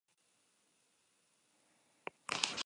Originaltasuna ere kontuan izan behar da.